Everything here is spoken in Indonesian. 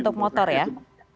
untuk motor ya pak